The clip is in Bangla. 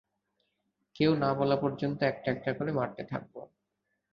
কেউ না বলা পর্যন্ত একটা একটা করে মারতে থাকব।